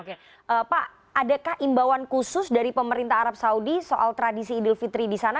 oke pak adakah imbauan khusus dari pemerintah arab saudi soal tradisi idul fitri di sana